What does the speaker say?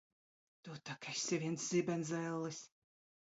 Tu tak esi viens zibenzellis!